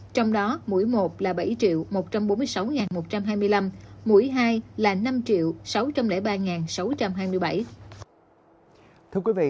trong đó mũi một là bảy một trăm bốn mươi sáu một trăm hai mươi năm mũi hai là năm sáu trăm linh ba sáu trăm hai mươi bảy